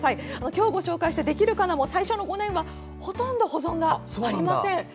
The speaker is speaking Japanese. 今日ご紹介した「できるかな」も最初の５年はほとんど保存がありません。